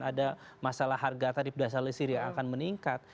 ada masalah harga tarif dasar lesir yang akan meningkat